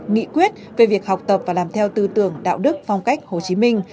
nghị quyết về việc học tập và làm theo tư tưởng đạo đức phong cách hồ chí minh